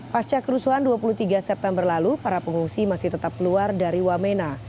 pasca kerusuhan dua puluh tiga september lalu para pengungsi masih tetap keluar dari wamena